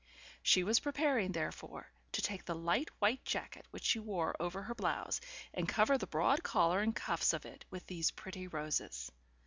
She was preparing, therefore, to take the light white jacket which she wore over her blouse, and cover the broad collar and cuffs of it with these pretty roses.